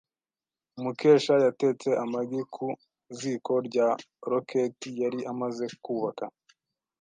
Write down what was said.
Mukesha yatetse amagi ku ziko rya roketi yari amaze kubaka.